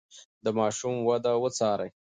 د ماشوم وده وڅارئ.